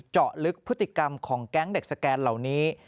เจาะลึกพฤติกรรมของแก๊งเด็กสแกนเหล่านี้